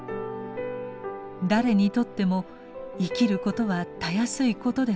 誰にとっても生きることはたやすいことではない。